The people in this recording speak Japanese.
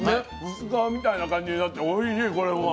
薄皮みたいな感じになっておいしいこれも。